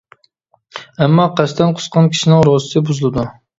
ئەمما قەستەن قۇسقان كىشىنىڭ روزىسى بۇزۇلىدۇ.